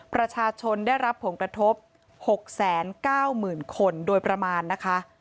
ประชาชนได้รับผลกระทบ๖๙๐๐๐คนโดยประมาณนะคะ